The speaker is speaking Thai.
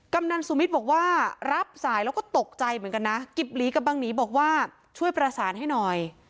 กำนันสุมิตรบอกว่ารับสายแล้วก็ตกใจเหมือนกันนะกิบหลีกับบังหนีบอกว่าช่วยประสานให้หน่อย